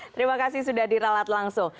terima kasih sudah diralat langsung